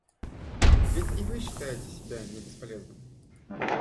Ведь и вы считаете себя не бесполезным.